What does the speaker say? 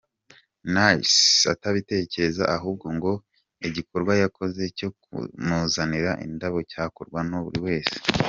Nice atabitekereza ahubwo ngo igikorwa yakoze cyo kumuzanira indabo cyakorwa na buri wese.